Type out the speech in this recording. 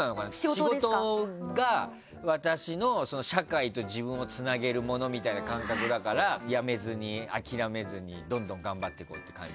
仕事が社会と私をつなげるものみたいな感覚だから辞めずに、諦めずにどんどん頑張っていこうって感じ？